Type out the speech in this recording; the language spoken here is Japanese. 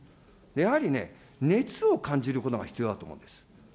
やはりね、熱を感じることが必要だと思うんです。